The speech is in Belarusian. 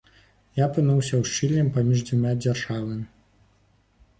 Я апынуўся ў шчыліне паміж дзвюма дзяржавамі.